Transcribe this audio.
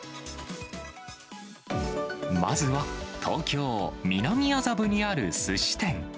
まずは東京・南麻布にあるすし店。